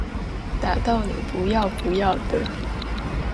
打到你不要不要的